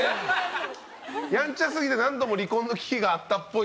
ヤンチャすぎて何度も離婚の危機があったっぽい。